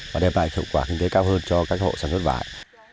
và đem lại hiệu quả kinh tế cao hơn cho các hộ sản xuất vải